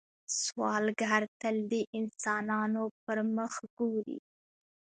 سوالګر تل د انسانانو پر مخ ګوري